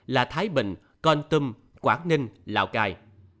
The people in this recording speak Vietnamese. là thái bình con tâm quảng ninh lào cai